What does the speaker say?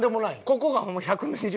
ここが１２０。